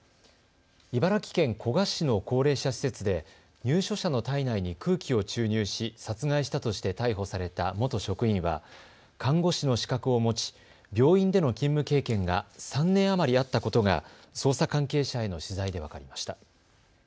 茨城県古河市の高齢者施設で入所者の体内に空気を注入し殺害したとして逮捕された元職員は看護師の資格を持ち病院での勤務経験が３年余りあったことが捜査関係者への取材で分かりました。